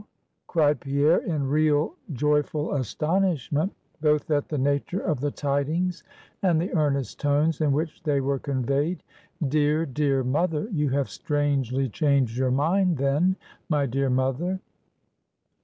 cried Pierre, in real joyful astonishment, both at the nature of the tidings, and the earnest tones in which they were conveyed "dear, dear mother, you have strangely changed your mind then, my dear mother."